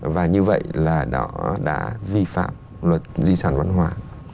và như vậy là nó đã vi phạm luật di sản văn hóa